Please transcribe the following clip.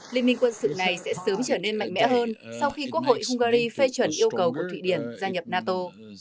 liên minh quân sự này sẽ sớm trở nên mạnh mẽ hơn sau khi quốc hội hungary phê chuẩn yêu cầu của thụy điển gia nhập nato